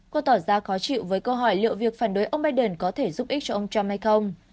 cô tỏ ra khó chịu với câu hỏi liệu việc phản đối ông biden có thể giúp ích cho ông trump hay không